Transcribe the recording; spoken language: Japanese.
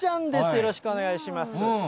よろしくお願いします。